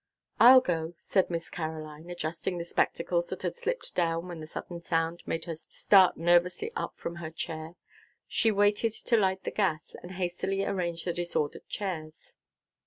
"I'll go," said Miss Caroline, adjusting the spectacles that had slipped down when the sudden sound made her start nervously up from her chair. She waited to light the gas, and hastily arrange the disordered chairs.